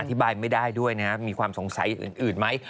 อธิบายไม่ได้ด้วยนะครับมีความสงสัยอื่นไหม